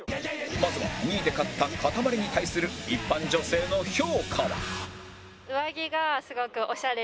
まずは２位で勝ったかたまりに対する一般女性の評価は？